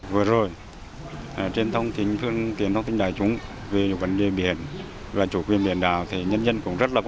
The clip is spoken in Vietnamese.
vừa rồi trên thông tin đại chúng về vấn đề biển và chủ quyền biển đảo thì nhân dân cũng rất quan tâm